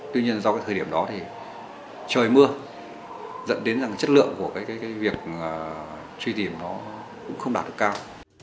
tuy nhiên do thời điểm đó trời mưa dẫn đến chất lượng của việc truy tìm cũng không đạt được cao